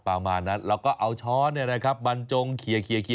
ประมาณนั้นแล้วก็เอาช้อนบรรจงเคลียร์